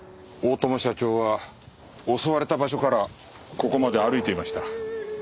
大友社長は襲われた場所からここまで歩いていました。